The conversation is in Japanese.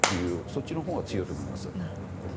そっちのほうが強いかと思います。